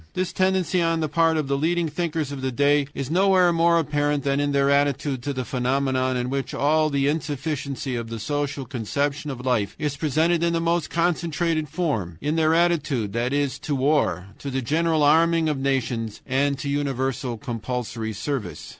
This tendency on the part of the leading thinkers of the day is nowhere more apparent than in their attitude to the phenomenon in which all the insufficiency of the social conception of life is presented in the most concentrated form in their attitude, that is, to war, to the general arming of nations, and to universal compulsory service.